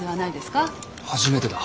初めてだ。